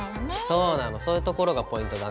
そうなのそういうところがポイントだね。